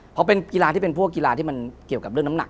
เพราะเป็นกีฬาที่เป็นพวกกีฬาที่มันเกี่ยวกับเรื่องน้ำหนัก